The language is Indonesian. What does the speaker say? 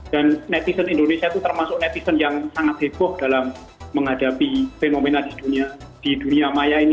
dan netizen indonesia itu termasuk netizen yang sangat heboh dalam menghadapi fenomena di dunia maya ini